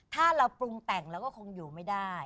ถ้าเราปรุงแต่งเราก็คงอยู่ไม่ได้